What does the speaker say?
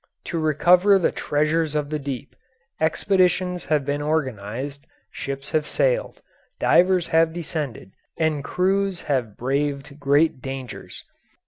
To recover the treasures of the deep, expeditions have been organised, ships have sailed, divers have descended, and crews have braved great dangers.